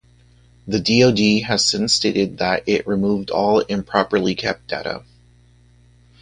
The DoD has since stated that it removed all improperly kept data.